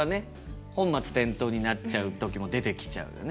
本末転倒になっちゃう時も出てきちゃうよね。